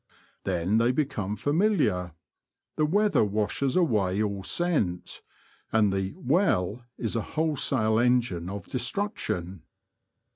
Then, they become familiar ; the weather washes away all scent, and the ''well" is a whole sale engine of destruction.